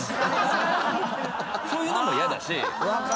そういうのもヤダし。